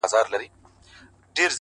راځه رحچيږه بيا په قهر راته جام دی پير!!